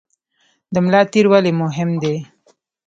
د ملا تیر ولې مهم دی؟